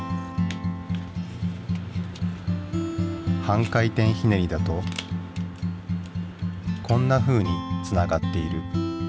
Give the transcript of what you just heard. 半回転ひねりだとこんなふうにつながっている。